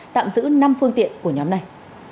tạm giữ năm phương tiện của nhóm này